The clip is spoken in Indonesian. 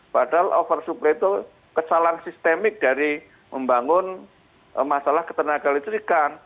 padahal oversupply itu kesalahan sistemik dari membangun masalah ketenaga listrikan